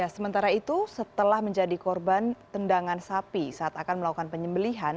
sementara itu setelah menjadi korban tendangan sapi saat akan melakukan penyembelihan